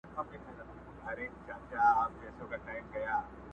څه به کوو؟٫